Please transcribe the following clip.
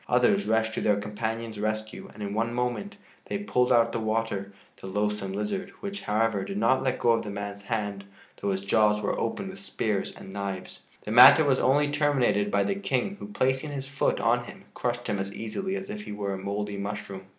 Others rushed to their companion's rescue and in one moment they pulled out of the water the loathsome lizard, which, however, did not let go of the man's hand though his jaws were opened with spears and knives. The matter was only terminated by the King who, placing his foot on him, crushed him as easily as if he were a mouldy mushroom.